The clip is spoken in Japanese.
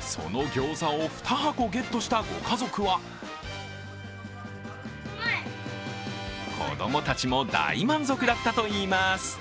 そのギョーザを２箱ゲットしたご家族は子供たちも大満足だったといいます。